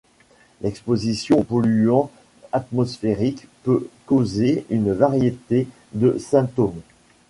L’exposition aux polluants atmosphériques peut causer une variété de symptômes.